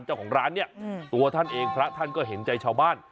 เจ้าของร้านเนี่ยตัวท่านเองพระท่านก็เห็นใจชาวบ้าน